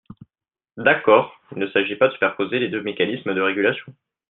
D’accord ! Il ne s’agit pas de superposer les deux mécanismes de régulation.